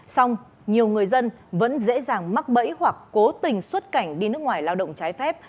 xong nhiều người dân vẫn dễ dàng mắc bẫy hoặc cố tình xuất cảnh đi nước ngoài lao động trái phép